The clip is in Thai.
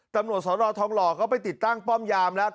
ตำรวจสนทองหล่อเขาไปติดตั้งป้อมยามแล้ว